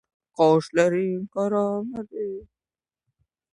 Sodiq Safoevdan ayol elchilar haqida so‘rashdi